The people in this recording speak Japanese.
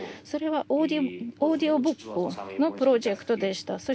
それはオーディオブックのプロジェクトでした。